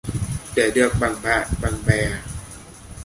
Để được bằng bạn bằng bè